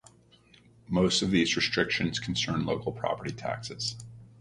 Most of these restrictions concern local property taxes.